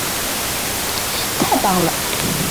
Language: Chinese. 同治元年十一月二十九日被大火将书与楼一并焚毁。